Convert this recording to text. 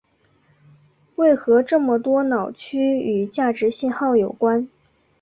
为何这么多脑区与价值信号有关。